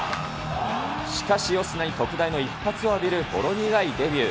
しかし、オスナに特大の一発を浴びるほろ苦いデビュー。